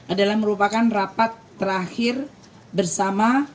adalah merupakan rapat terakhir bersama